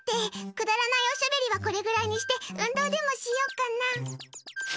くだらないおしゃべりはこれぐらいにして運動でもしよっかな。